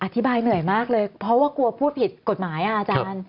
เหนื่อยมากเลยเพราะว่ากลัวพูดผิดกฎหมายอาจารย์